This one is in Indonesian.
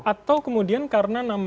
atau kemudian karena nama jokowi itu